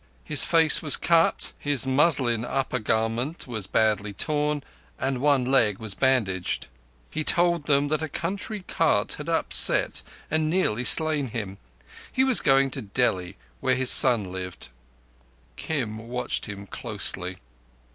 His face was cut, his muslin upper garment was badly torn, and one leg was bandaged. He told them that a country cart had upset and nearly slain him: he was going to Delhi, where his son lived. Kim watched him closely.